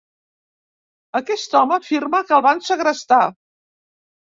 Aquest home afirma que el van segrestar.